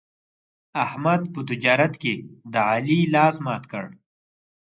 احمد په تجارت کې د علي لاس مات کړ.